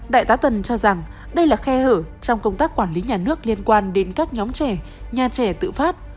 đại tá tần cho rằng đây là khe hở trong công tác quản lý nhà nước liên quan đến các nhóm trẻ nhà trẻ tự phát